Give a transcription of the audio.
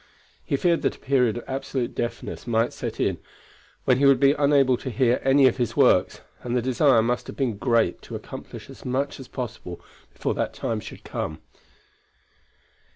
He feared that a period of absolute deafness might set in when he would be unable to hear any of his works, and the desire must have been great to accomplish as much as possible before that time should come.